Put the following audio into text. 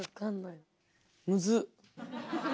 むず！